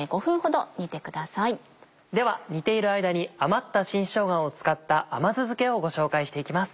では煮ている間に余った新しょうがを使った甘酢漬けをご紹介していきます。